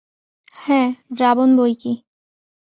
হ্যা, রাবণ বৈকি।